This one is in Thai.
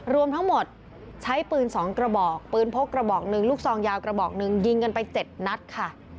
รวมทั้งหมดใช้ปืน๒กระบอกปืนพกกระบอกหนึ่งลูกซองยาวกระบอกหนึ่งยิงกันไป๗นัดค่ะ